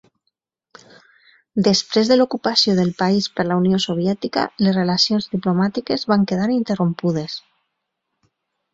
Després de l'ocupació del país per la Unió Soviètica les relacions diplomàtiques van quedar interrompudes.